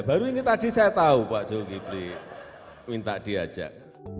baru ini tadi saya tahu pak zulkifli minta diajak